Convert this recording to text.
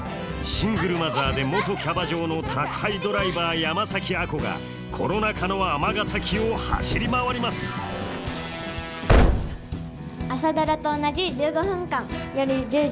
シングルマザーで元キャバ嬢の宅配ドライバー山崎亜子がコロナ禍の尼崎を走り回ります「朝ドラ」と同じ１５分間。